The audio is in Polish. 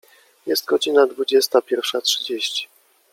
Jest godzina dwudziesta pierwsza trzydzieści.